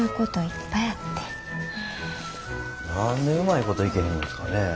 何でうまいこといけへんのですかね？